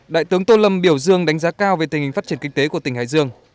đại tướng tô lâm biểu dương đánh giá cao về tình hình phát triển kinh tế của tỉnh hải dương